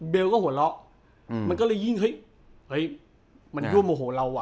ก็หัวเราะมันก็เลยยิ่งเฮ้ยเฮ้ยมันร่วมโมโหเราอ่ะ